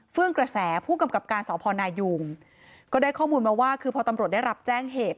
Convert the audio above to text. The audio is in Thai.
ื่องกระแสผู้กำกับการสพนายุงก็ได้ข้อมูลมาว่าคือพอตำรวจได้รับแจ้งเหตุ